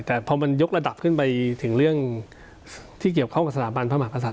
แต่พอมันยกระดับขึ้นไปถึงเรื่องที่เกี่ยวข้องกับสถาบันพระมหากษัตว